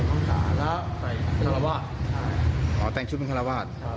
ก็เลยถาดชิ้นไปแล้ว